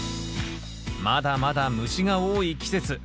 まだまだ虫が多い季節。